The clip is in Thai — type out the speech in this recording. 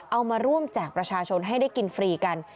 เอามาร่วมแจกประชาชนให้ได้กินฟรีกัน